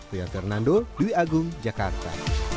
rian fernando dwi agung jakarta